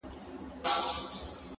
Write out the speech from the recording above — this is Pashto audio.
ماته كۀ خطره وه د اسلام د ټېكهداره وه